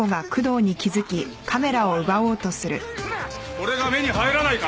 これが目に入らないか？